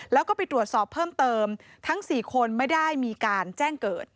แล้วก็ไปตรวจสอบเพิ่มเติมทั้ง๔คนไม่ได้มีการแจ้งเกิด